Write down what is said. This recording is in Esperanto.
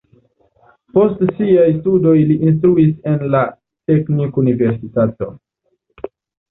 Post siaj studoj li instruis en la teknikuniversitato.